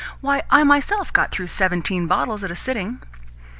Why, I myself got through seventeen bottles at a sitting."